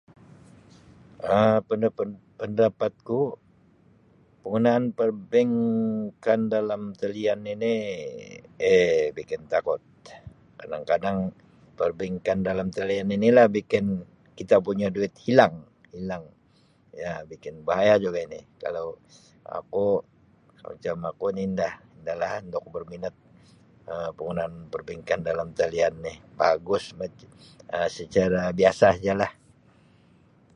Um Pendapat pendapat ku penggunaan perbankkan dalam talian ini Um bikin takut kadang-kadang perbankkan dalam talian ini lah bikin kita punya duit hilang hilang ya bikin bahaya juga ini kalau aku kalau macam aku ni nda nda lah nda la ak berminat Um penggunaan perbankkan dalam talian ini bagus lagi Um secara biasa saja lah.